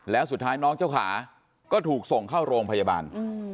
แล้วสุดท้ายน้องเจ้าขาก็ถูกส่งเข้าโรงพยาบาล